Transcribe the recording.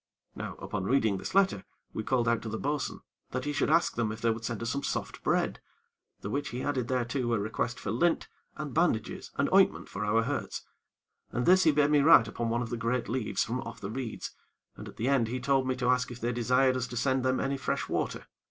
Now, upon reading this letter, we called out to the bo'sun that he should ask them if they would send us some soft bread; the which he added thereto a request for lint and bandages and ointment for our hurts. And this he bade me write upon one of the great leaves from off the reeds, and at the end he told me to ask if they desired us to send them any fresh water.